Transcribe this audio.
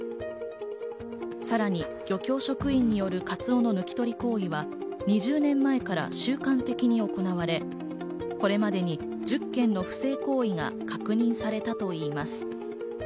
さらに漁業職員によるカツオの抜き取り行為は２０年前から習慣的に行われ、これまでに１０件の不正行為が確認されたといいます。